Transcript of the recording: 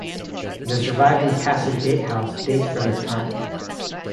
The surviving castle gatehouse dates from this time.